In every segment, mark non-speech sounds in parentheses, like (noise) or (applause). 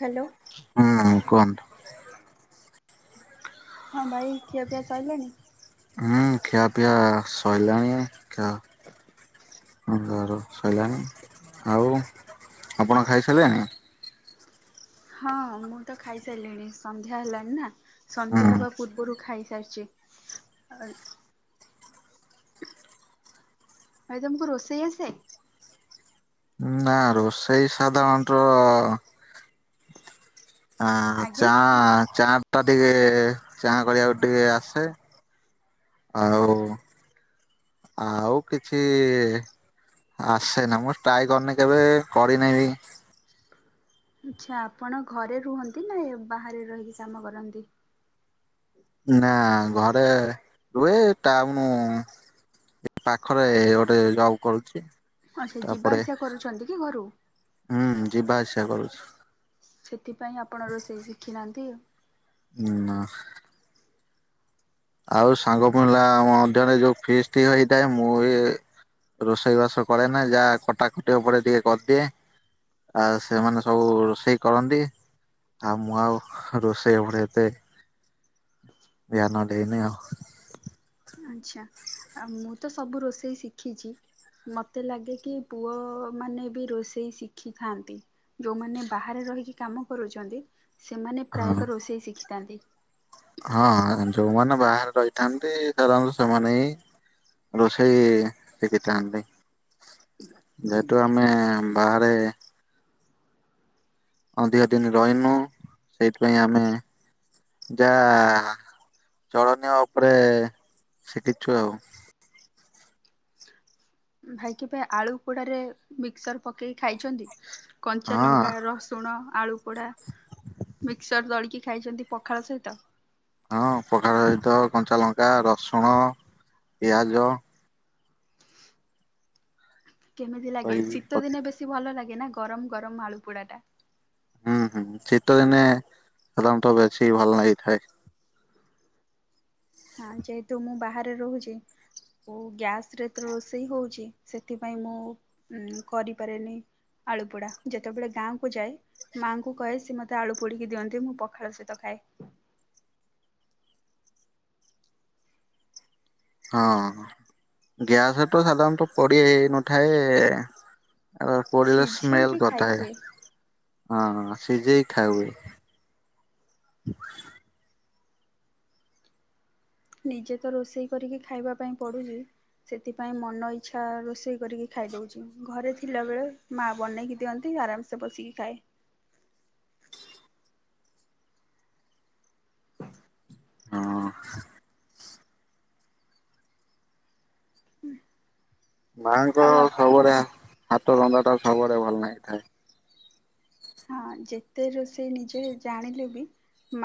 Hello. ହୁଁଉଁ କୁହନ୍ତୁ। ହଁ ବାଇ, ଖିଆ ପିଆ ସଇଲାଣି? ହୁଁଉଁ, ଖିଆପିଆ ସଇଲାଣି। (unintelligible) ସଇଲାଣି। ଆଉ, ଆପଣ ଖାଇ ସାରିଲେଣି? ହଁଅଁ, ମୁଁ ତ ଖାଇସାରିଲିଣି, ସନ୍ଧ୍ୟା ହେଲାଣି ନା, ସନ୍ଧ୍ୟା ହୁଁ ହବା ପୁର୍ବ୍ରୁରୁ ଖାଇସାରିଚି। ଆ ଭାଇ ତମୁକୁ ରୋଷେଇ ଆସେ? ନା ରୋଷେଇ ସାଧାରଣ ଟ ଆଁ ଆଜ୍ଞା। ଚାଆ ଚା ଟା ଟିକେ ଚାହା କରିଆକୁ ଟିକେ ଆସେ। ଆଉ, ଆଉ କିଛି ଇ ଆସେନା ମୁଁ ସ୍ତ୍ରାଏ କରିନି କେବେ କରି ନେହି। ଆଚ୍ଛା ଆପଣ ଘରେ ରୁହନ୍ତି ନା ବାହାରେ ରହିକି କାମ କରନ୍ତି? ନା ଘରେ ରୁହେ ଟାଉନୁ ଏପାଖରେ ଗୋଟେ ଯବ କରୁଚି। ଆଚ୍ଛା ଯିବା ଆସିବା କରୁଛନ୍ତି କି ଘରୁ? ହୁଁ ଯିବା ଆସିବା କରୁଚି। ସେଥିପାଇଁ ଆପଣ ରୋଷେଇ ଶିଖିନାହାନ୍ତି ଆଉ। ନା। ଆଉ ସାଙ୍ଗ ପିଲା ମଧ୍ୟରେ ଯୋଉ ଫିଷ୍ଟି ହେଇଥାଏ ମୋ ଇଏ ରୋଷେଇ ବାସ କରେନା ଯାହା ଖଟା ଖଟି ଉପରେ ଟିକେ କରିଦିଏ। ଆଉ ସେମାନେ ସବୁ ରୋଷେଇ କରନ୍ତି। ଆଉ ମୁଁ ଆଉ ରୋଷେଇ (unintelligible) ଧ୍ୟାନ ଦେଇନି ଆଉ। ଆଚ୍ଛା ମୁଁ ତ ସବୁ ରୋଷେଇ ଶିଖିଚି। ମତେ ଲାଗେ କି ପୁଅ ମାନେବି ରୋଷେଇ ଶିଖିଥାନ୍ତି। ଯୋଉମାନେ ବାହାରେ ରହିକି କାମ କରୁଚନ୍ତି ସେମାନେ ପ୍ରାୟତଃ ରୋଷେଇ ଶିଖିଥାନ୍ତି। ହଁ ହଁ ଯୋଉମାନେ ବାହାରେ ରହିଥାନ୍ତି ଧର ସେମାନେ ହିଁ ରୋଷେଇ ଶିଖିଥାନ୍ତି ଯେହେତୁ ଆମେ ବାହାରେ। ଅଧିକ ଦିନି ରହିମୁ ସେଇଥି ପାଇଁ ଆମେ। ଯାହା ଚଳନୀୟ ଉପରେ ଶିଖିଚୁ ଆଉ। ଭାଇ କେବେ ଆଳୁ ପୋଡାରେ ମିକ୍ସର ପକେଇକି ଖାଇଚନ୍ତି କଞ୍ଚା ହଁ ଲଙ୍କା ର ଲୁଣ ଆଳୁ ପୋଡ଼ା ମିକ୍ସର ଦଳିକି ଖାଇଚନ୍ତି ପଖାଳ ସହିତ? ହଁ ପଖାର ସହିତ କଞ୍ଚା ଲଙ୍କା ରସୁଣ ପିଆଜ। କେମିତି ଲାଗେ ଏଇ ଶୀତ ପକ୍ ଦିନେ ବେଶୀ ଭଲ ଲାଗେ ନା ଗରମ ଗରମ ଆଳୁ ପୋଡା ଟା। ହୁଁ ହୁଁ ଶୀତ ଦିନେ ସାଧାରଣତ ବେଶୀ ଭଲ ଲାଗିଥାଏ। ହଁ ଯେହେତୁ ମୁଁ ବାହାରେ ରହୁଚି। (unintelligible) ଗ୍ୟାସରେ ତ ରୋଷେଇ ହଉଚି ସେଥି ପାଇଁ ମୁଁ କରିପାରେନି। ଆଳୁ ପୋଡା ଯେତେବେଳେ ଗାଁକୁ ଯାଏ। ମାଆଙ୍କୁ କହେ ସେ ମୋତେ ଆଳୁ ପୋଡିକି ଦିଅନ୍ତି ମୁଁ ପଖାଳ ସହିତ ଖାଏ। ହଁ ଗ୍ୟାସ ତ ସାଧାରଣତଃ ପଡ଼ି ହେଇ ନଥାଏ। ଆ ପୋଡ଼ିଲେ ସ୍ମଲ ସିଝେଇକି ଖାଇ କରିଥାଏ। ହୁଏ ହିଁ ହିଁ ସିଯେଇକି ଖାଇ ହୁଏ। ନିଜେ ତ ରୋଷେଇ କରିକି ଖାଇବା ପାଇଁ ପଡୁଚି। ସେଥିପାଇଁ ମନ ଇଚ୍ଛା ରୋଷେଇ କରିକି ଖାଇଦଉଚି ଘରେ ଥିଲାବେଳେ। ମା ବନେଇକି ଦିଅନ୍ତି ଆରାମସେ ବସିକି ଖାଏ। ହଁ। ମାଙ୍କ ଆଉ ଆପଣ ସବୁ (unintelligible) ହଁ ଯେତେ ରୋଷେଇ ନିଜେ ଜାଣିଲେ ବି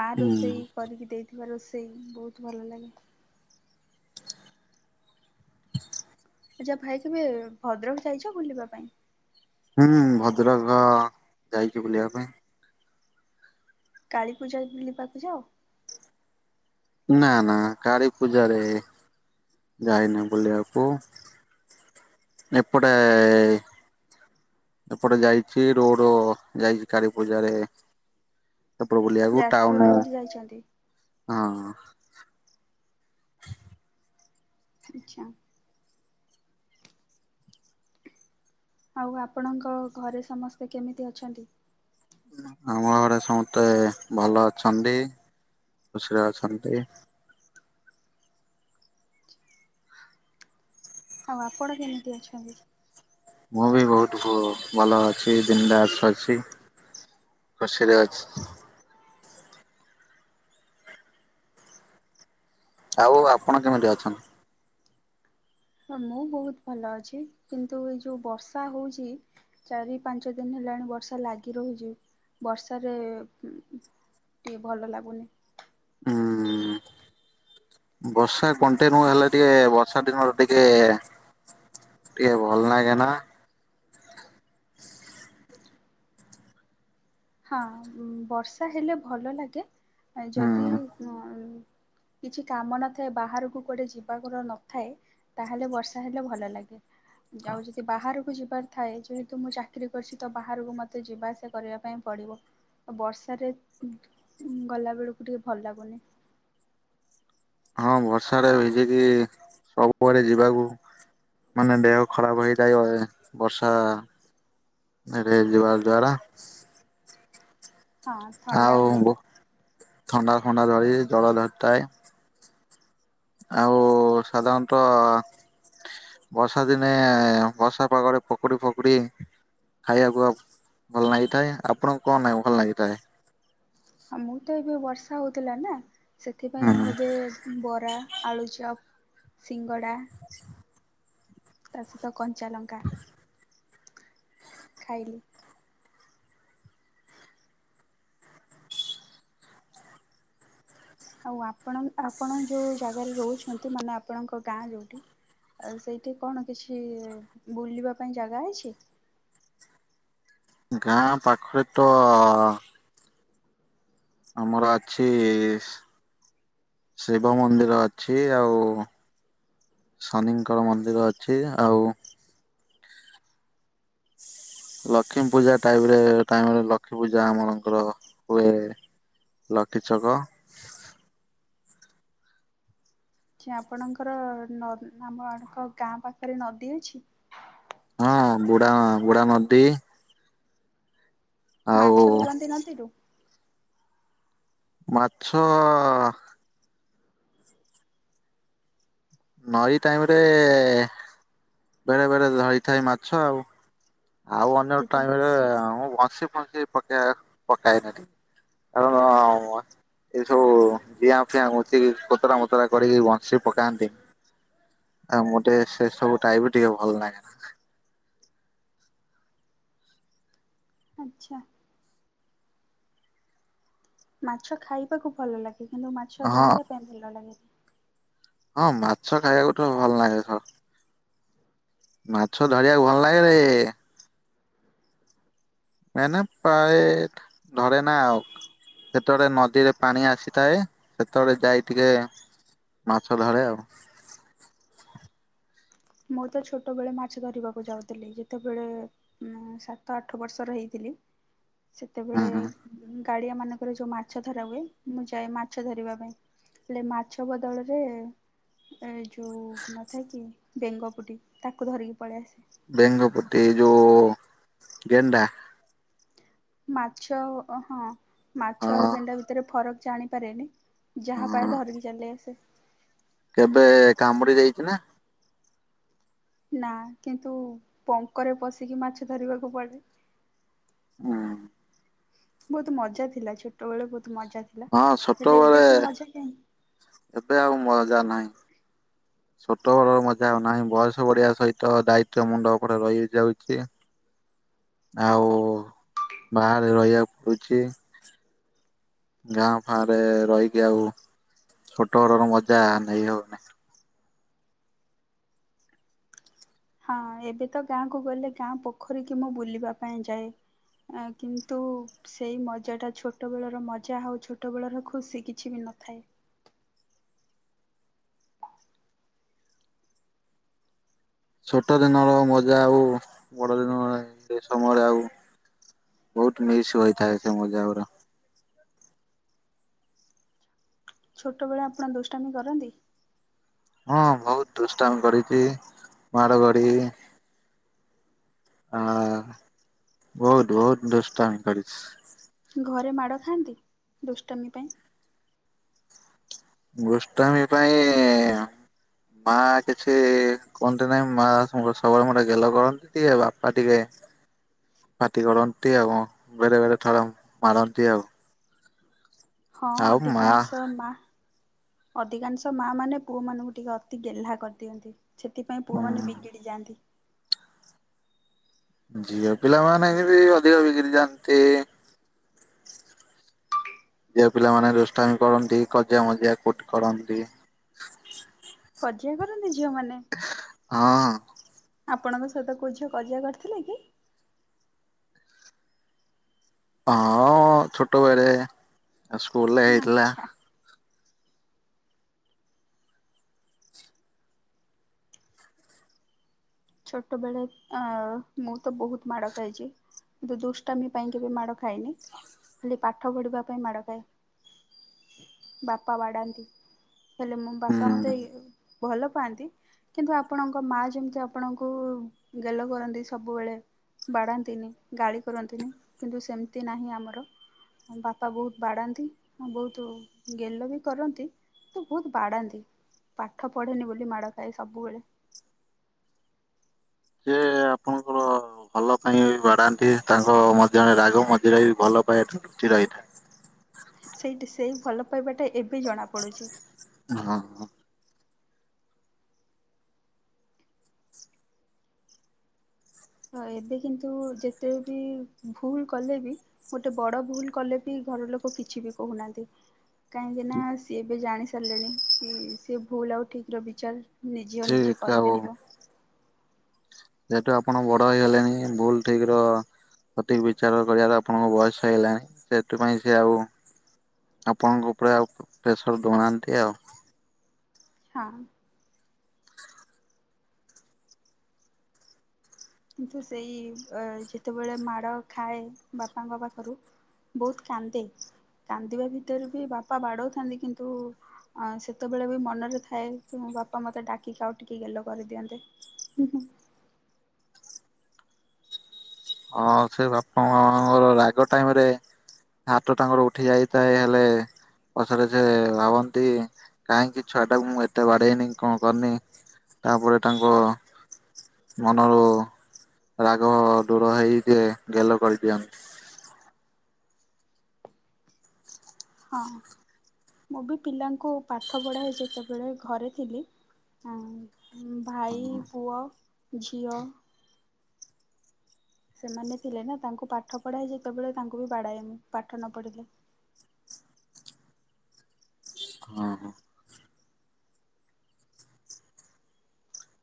ମା ହୁଁ ରୋଷେଇ କରିକି ଦେ ଥିବା ରୋଷେଇ ବହୁତ ଭଲ ଲାଗେ। ଆଚ୍ଛା ଭାଇ କେବେ ଭଦ୍ରକ ଯାଇଚ ବୁଲିବା ପାଇଁ? ହୁଁ ଭଦ୍ରକ ଯାଇଚି ବୁଲିବା ପାଇଁ। କାଳୀ ପୂଜା ବୁଲିବାକୁ ଯାଅ? ନା ନା କାଳୀ ପୂଜା ରେ ଯାଇନି ବୁଲିବାକୁ। ଏପଟେ ଏପଟେ ଯାଇଚି ରୋଡ ଯାଇଚି କାଳୀ ପୂଜାରେ। ସେପଟେ ବୁଲିବାକୁ ଟାଉନୁ ଯାଛନ୍ତି। ହଁ ହଁ। ଆଚ୍ଛା। ଆଉ ଆପଣଙ୍କ ଘରେ ସମସ୍ତେ କେମିତି ଅଛନ୍ତି? ଆମ ଘରେ ସମସ୍ତେ ଭଲ ଅଛନ୍ତି ଖୁସିରେ ଅଛନ୍ତି। ଆଉ ଆପଣ କେମିତି ଅଛନ୍ତି? ମୁଁ ବି ବହୁତ ଭଲ ଅଛି ବିନ୍ ଦାଶ ଅଛି। ଖୁସିରେ ଅଛି। ଆଉ ଆପଣ କେମିତି ଅଛନ୍ତି? ହଁ ମୁଁ ବହୁତ ଭଲ ଅଛି କିନ୍ତୁ ଏ ଯେଉଁ ବର୍ଷା ହଉଛି। ଚାରି ପାଞ୍ଚ ଦିନ ହେଲାଣି ବର୍ଷା ଲାଗି ରହୁଛି ବର୍ଷାରେ ଟି ଭଲ ଲାଗୁନି। ଉଁ ବର୍ଷା କଣ୍ଟିନ୍ୟୁ ହେଲା ଟିକେ ବର୍ଷା ଦିନର ଟିକେ ଟିକେ ଭଲ ଲାଗେ ନା? ହଁ ବର୍ଷା ହେଲେ ଭଲ ଲାଗେ ଯଦି ହୁଁ ହ କିଛି କାମ ନଥାଏ ବାହାରକୁ କୁଆଡ଼େ ଯିବା କର ନଥାଏ ତାହେଲେ ବର୍ଷା ହେଲେ ଭଲ ଲାଗେ। ଆଉ ଯଦି ବାହାରକୁ ଯିବା ଥାଏ ଯେହେତୁ ମୁଁ ଚାକିରରି କରିଛି ତ ବାହାରକୁ ମୋତେ ଯିବା ଆସିବା କରିବା ପାଇଁ ପଡ଼ିବ ଆଉ ବର୍ଷାରେ ଗଲାବେଳକୁ ଟିକେ ଭଲ ଲାଗୁନି। ହଁ ବର୍ଷା ଯଦି ସବୁଆଡ ଯିବାକୁ ମାନେ ଦେହ ଖରାପ ହେଇଥାଏ ବର୍ଷା ରେ ଯିବା ଦ୍ଵାରା। ହଁ ଥଣ୍ଡା ଆଉ ହୁଏ। ବୁ ଥଣ୍ଡା ଫଣ୍ଡା ଧରି ଜଳ ଧରିଥାଏ। ଆଉ ସାଧାରଣତଃ ବର୍ଷା ଦିନେ ବର୍ଷା ପାଗରେ ପକୁଡି ଫକୁଡ଼ି ଖାଇବାକୁ ଭଲ ଲାଗିଥାଏ ଆପଣଙ୍କୁ କଣ ନା ଭଲ ଲାଗିଥାଏ? ହଁ ମୁଁ ତ ଏବେ ବର୍ଷା ହଉଥିଲା ନା ସେଥିପାଇଁ ମୁଁ ହୁଁ ଏବେ ବରା ଆଳୁଚପ୍ ସିଙ୍ଗଡ଼ା ତା ସହିତ କଞ୍ଚା ଲଙ୍କା ଖାଇଲି। ଆଉ ଆପଣ ଆପଣ ଯେଉଁ ଜାଗାରେ ରହୁଛନ୍ତି ମାନେ ଆପଣଙ୍କ ଗାଁ ଯେଉଁଠି ଆଉ ସେଇଠି କଣ କିଛି ବୁଲିବା ପାଇଁ ଜାଗା ଅଛି? ଗାଁ ପାଖରେ ତ ଆମର ଅଛି ଶିବ ମନ୍ଦିର ଅଛି ଆଉ ଶନିଙ୍କର ମନ୍ଦିର ଅଛି ଆଉ ଲକ୍ଷ୍ମୀ ପୂଜା ଟଇମ୍ ରେ ଟାଇମରେ ଲକ୍ଷ୍ମୀ ପୂଜା ଆମରଙ୍କର ହୁଏ। ଲକିଛକ। କି ଆପଣଙ୍କର ନ ଆମ ଗାଁ ପାଖରେ ନଦୀ ଅଛି? ହଁ ବୁଢା ବୁଢା ନଦୀ। ଆଉ ମାଛ ଧରନ୍ତି ନଦୀରୁ? ମାଛ ନଈ ଟାଇମ ରେ ବେଳେ ବେଳେ ଧରିଥାଏ ମାଛ ଆଉ। ଆଉ ଅନ୍ୟ ଯେତେ ଟାଇମରେ ମୁଁ ବସି ସେ ପକ ପକାଇ ନଦେ କାରଣ (unintelligible) ଏଇ ସବୁ ଜିଆଁ ଫିଆଁ (inaudible) କତରା ମତରା କରିକି ବଂଶୀ ପକାନ୍ତି ଆଉ ମୋତେ ସେ ସବୁ ଟାଇବ ଟିକେ ଭଲ ଲାଗେନା ଆଚ୍ଛା। ମାଛ ଖାଇବାକୁ ଭଲ ଲାଗେ କିନ୍ତୁ ମାଛ ହଁ ଧରିବା ପାଇଁ ଭଲ ଲାଗେନି। ହଁ ମାଛ ଖାଇବାକୁ ତ ଭଲ ଲାଗେ। ମାଛ ଧରିବାକୁ ଭଲ ଲାଗେ ରେ ମାନ ପ୍ରାୟ ଧରେ ନା ଆଉ ଯେତେବେଳେ ନଦୀରେ ପାଣି ଆସିଥାଏ ସେତେବେଳେ ଯାଇ ଟିକେ ମାଛ ଧରେ ଆଉ ମୁଁ ତ ଛୋଟ ବେଳେ ମାଛ ଧରିବାକୁ ଯାଉଥିଲି ଯେତେବେଳେ ମୁଁ ସାତ ଆଠ ବର୍ଷର ହେଇଥିଲି ସେତେବେଳେ ହୁଁ ଗାଡିଆ ମାନଙ୍କରେ ଯୋଉ ମାଛ ଧରା ହୁଏ ମୁଁ ଯାଏ ମାଛ ଧରିବା ପାଇଁ ହେଲେ ମାଛ ବଦଳରେ ଏ ଯୋଉ ନଥାଏ କି? ବେଙ୍ଗପୁଟି ତାକୁ ଧରିକି ପଳି ଆସେ। ବେଙ୍ଗଫୁଟି ଏ ଯୋଉ ଗେଣ୍ଡା? ମାଛ ହଁ ହଁ ମାଛ ଆଉ ଗେଣ୍ଡା ଭିତରେ ଫରକ ଜାଣିପାରେନି ଯାହା ହଁ ପାଏ ଧରିକି ଚାଲି ଆସେ। କେବେ କାମୁଡି ଯାଇଛି ନା? ନା କିନ୍ତୁ ପଙ୍କରେ ପଶିକି ମାଛ ଧରିବାକୁ ପଡ଼େ ହୁଁ। ବହୁତ ମଜା ଥିଲା ଛୋଟବେଳେ ବହୁତ ମଜା ଥିଲା ହଁ ହେଲେ ଛୋଟବେଳେ ଏବେ ସେ ମଜା କାହିଁ? ଏବେ ଆଉ ମଜା ନାହିଁ। ଛୋଟ ବେଳର ମଜା ଆଉ ନାହିଁ ବୟସ ବଢଆ ସହିତ ଦାୟିତ୍ୟ ମୁଣ୍ଡ ଉପରେ ରହିଯାଉଛି ଆଉ ବାହାରେ ରହିବାକୁ ପଡୁଛି ଗାଁ ଫାଁ ରେ ରହିକି ଆଉ ଛୋଟ (inaudible) ମଜା ନେଇ ହଉନି। ହଁ ଏବେ ତ ଗାଁକୁ ଗଲେ ଗାଁ ପୋଖରୀ କି ମୁଁ ବୁଲିବା ପାଇଁ ଯାଏ। ଆ କିନ୍ତୁ ସେଇ ମଜାଟା ଛୋଟବେଳର ମଜା ଆଉ ଛୋଟବେଳର ଖୁସି କିଛି ବି ନଥାଏ ଛୋଟ ଦିନର ମଜା ଆଉ ବଡ ଦିନ ସେ ସମୟରେ ଆଉ ବହୁତ ମିସ୍ ହୋଇଥାଏ ସେ ମଜା ଗୁଡା। ଛୋଟବେଳେ ଆପଣ ଦୁଷ୍ଟାମି କରନ୍ତି? ହଁ ବହୁତ ଦୁଷ୍ଟାମ କରିଛି ମାଡ ଗାଡି ହ ବହୁତ ବହୁତ ଦୁଷ୍ଟମି କରିଛି। ଘରେ ମାଡ଼ ଖାଆନ୍ତି ଦୁଷ୍ଟମି ପାଇଁ? ଦୁଷ୍ଟମୀ ପାଇଁ ମା କିଛି କୁହନ୍ତି ନାହିଁ ମା ସବୁବେଳେ ଗୋଟେ ଗେଲ କରନ୍ତି ଆଉ ବାପା ଟିକେ ହ ପାଟି କରନ୍ତି ଆଉ ବେଳେ ବେଳେ ଥର ମାରନ୍ତି ଆଉ ହଁ ଆଉ ମା ଅଧିକାଂଶ ମା ଅଧିକାଂଶ ମା ମାନେ ପୁଅମାନଙ୍କୁ ଟିକେ ଅତି ଗେହ୍ଲା କରିଦିଅନ୍ତି। ସେଥିପାଇଁ ପୁଅମାନୋନ ବିଗିଡ଼ି ଯାଆନ୍ତି। ଝିଅ ପିଲାମାନେ ବି ଅଧିକ ବିଗିଡି ଯାଆନ୍ତି। ଝିଅ ପିଲାମାନେ ରୋଷ୍ଟାମ କରନ୍ତି କଜିଆ ମଜିଆ କୁଠ କରନ୍ତି। କଜିଆ କରନ୍ତି ଝିଅମାନେ? ହଁ। ଆପଣଙ୍କ ସହିତ କୋଉ ଝିଅ କଜିଆ କରିଥିଲା କି। ହଁ ଛୋଟବେଳେ ଆଉ ସ୍କୁଲରେ ହେଇଥିଲା। ଆଚ୍ଛା ଛୋଟବେଳେ, ଅ ମୁଁ ତ ବହୁତ ମାଡ ଖାଇଛି। କିନ୍ତୁ ଦୁଷ୍ଟାମୀ ପାଇଁ କେବେ ମାଡ ଖାଏନି, ଖାଲି ପାଠ ପଢିବା ପାଇଁ ମାଡ ଖାଏ। ବାପା ବାଡ଼ାନ୍ତି। ହେଲେ ମୋ ବାପା ମତେ ହୁଁ। ଏ ଭଲ ପାଆନ୍ତି, କିନ୍ତୁ ଆପଣଙ୍କ ମା ଯେମିତି ଆପ ଆପଣଙ୍କୁ ଗେଲ କରନ୍ତି ସବୁବେଳେ। ବାଡ଼ାନ୍ତିନି, ଗାଳି କରନ୍ତିନି, କିନ୍ତୁ ସେମିତି ନାହିଁ ଆମର। ଆଉ ବାପା ବହୁତ ବାଡ଼ାନ୍ତି, ହଁ ବହୁତ ଗେଲ ବି କରନ୍ତି। କିନ୍ତୁ ବହୁତ ବାଡାନ୍ତି, ପାଠ ପଢେନି ବୋଲି ମାଡ ଖାଏ ସବୁବେଳେ। ସେ ଆପଣଙ୍କର ଭଲ ପାଇଁ ହିଁ ବାଡ଼ାନ୍ତି, ତାଙ୍କ ମଧ୍ୟରେ ରାଗ ମଝିରେ ବି ଭଲ ପାଇବାଟା ଲୁଚି ରହିଥାଏ। ସେଇଟି ସେଇ ଭଲ ପାଇବାଟା ଏବେ ଜଣାପଡ଼ୁଛି। ହଁ ହଁ। ହଁ ଏବେ କିନ୍ତୁ ଯେତେ ବି, ଭୁଲ କଲେ ବି ଗୋଟେ ବଡ ଭୁଲ କଲେ ବି ଘର ଲୋକ କିଛି ବି କହୁନାହାନ୍ତି। କାହିଁକି ନା ସିଏ ଏବେ ଜାଣି ସାରିଲେଣି, କି ସେ ଭୁଲ ଆଉ ଠିକ ର ବିଚାର। ନିଜେ ଓ ନିଜେ ଠିକ ଆଉ କରିପାରିବ। ଯେହେତୁ ଆପଣ ବଡ ହେଇ ଗଲେଣି, ଭୁଲ ଠିକ ର ସଠିକ୍ ବିଚାର କରିବାର ଆପଣଙ୍କ ବୟସ ହେଇଗଲାଣି ସେଥିପାଇଁ ସେ ଆଉ ଆପଣଙ୍କ ଉପରେ ଆଉ ପ୍ରେସର ଦଉନାହାନ୍ତି ଆଉ। ହଁ। କିନ୍ତୁ ସେଇ ଇ ବ ଯେତେବେଳେ ମାଡ଼ ଖାଏ ବାପାଙ୍କ ପାଖରୁ। ବହୁତ କାନ୍ଦେ କାନ୍ଦିବା ଭିତରେ ବି ବାପା ବାଡଉଥାନ୍ତି କିନ୍ତୁ ଅ ସେତେବେଳେ ବି ମନରେ ଥାଏ, କି ମୋ ବାପା ମତେ ଡାକିକି ଆଉ ଟିକେ ଗେଲ କରିଦିଅନ୍ତୁ। ହୁଁ ହୁଁ। ହଁ ସେ ବାପା ମାଙ୍କର ରାଗ ଟାଇମ ରେ, ହାତ ତାଙ୍କର ଉଠି ଯାଇଥାଏ ହେଲେ, ପଛରେ ସେ, ଭାବନ୍ତି କାହିଁକି ଛୁଆ ଟାକୁ ମୁଁ ଏତେ ବାଡେଇନି କଣ କରିନି। ତାପରେ ତାଙ୍କ, ମନରୁ, ରାଗ। ଦୂର ହେଇଯେ ଗେଲ କରିଦିଅନ୍ତି। ହଁ, ମୁଁ ବି ପିଲାଙ୍କୁ ପାଠ ପଢ଼ାଏ ଯେତେବେଳେ ଘରେ ଥିଲି। ହଁ, ଭାଇ, ହଁ ପୁଅ, ଝିଅ। ସେମାନେ ଥିଲେ ନା, ତାଙ୍କୁ ପାଠ ପଢ଼ାଏ ଯେତେବେଳେ ତାଙ୍କୁ ବି ବାଡ଼ାଏ ମୁଁ ପାଠ ନ ପଢ଼ିଲେ। ହଁ ହଁ।